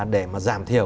để mà giảm thiểu